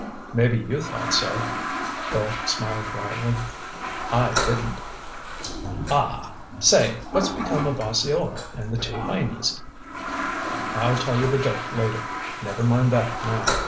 "Maybe you thought so," Bill smiled wryly. "I didn't." "Aw!—Say, what's become of Osceola and the two Heinies?" "I'll tell you the dope later. Never mind that now.